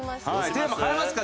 テーマ変えますか？